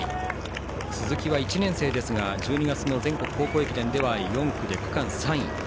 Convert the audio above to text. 鈴木は１年生ですが１２月の全国高校駅伝では４区で区間３位。